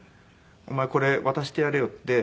「お前これ渡してやれよ」って